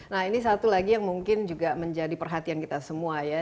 nah ini satu lagi yang mungkin juga menjadi perhatian kita semua ya